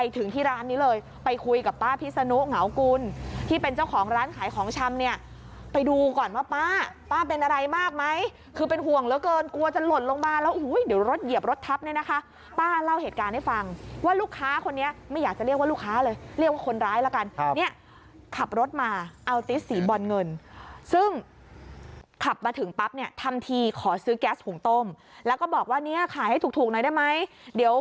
คือเป็นห่วงเหลือเกินกลัวจะหล่นลงบ้านแล้วอุ้ยเดี๋ยวรถเหยียบรถทับเนี่ยนะคะป้าเล่าเหตุการณ์ให้ฟังว่าลูกค้าคนนี้ไม่อยากจะเรียกว่าลูกค้าเลยเรียกว่าคนร้ายละกันเนี่ยขับรถมาเอาติสสี่บอนเงินซึ่งขับมาถึงปั๊บเนี่ยทำทีขอซื้อแก๊สหุ่งต้มแล้วก็บอกว่าเนี่ยขายให้ถูกหน่อยได้ไหมเดี